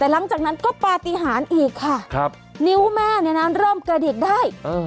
แต่หลังจากนั้นก็ปฏิหารอีกค่ะครับนิ้วแม่เนี่ยนะเริ่มกระดิกได้